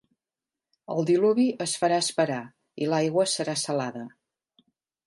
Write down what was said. El diluvi es farà esperar i l'aigua serà salada.